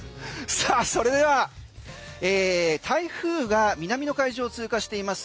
それでは、台風が南の海上を通過しています